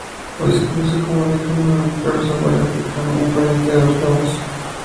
Hoy se conoce como licaón al perro salvaje africano, un pariente de los lobos.